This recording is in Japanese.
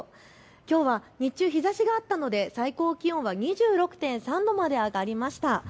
きょうは日中日ざしがあったので最高気温は２６．３度まで上がりました。